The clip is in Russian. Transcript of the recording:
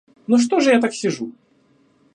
Ну что же я так сижу?